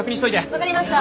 分かりました。